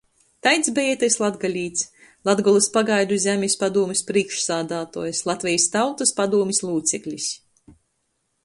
Taids beja itys latgalīts — Latgolys Pagaidu zemis padūmis prīšksādātuojs, Latvejis Tautys padūmis lūceklis,